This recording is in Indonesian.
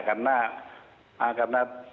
karena terbitnya sejumlah